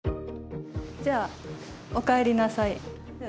じゃあお帰りなさい。